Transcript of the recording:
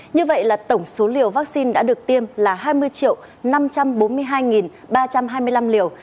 như vậy là tổng số liều vaccine đã được tiêm là hai mươi năm trăm bốn mươi hai ba trăm hai mươi năm liều